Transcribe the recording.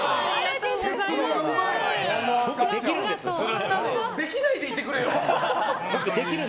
そんなのできないでいてくれよ。